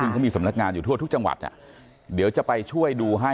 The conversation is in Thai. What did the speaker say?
ซึ่งเขามีสำนักงานอยู่ทั่วทุกจังหวัดเดี๋ยวจะไปช่วยดูให้